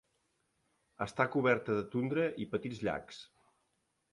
Està coberta de tundra i petits llacs.